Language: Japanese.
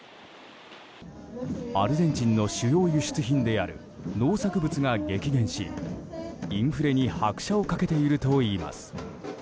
アルゼンチンの主要輸出品である農作物が激減しインフレに拍車を掛けているといいます。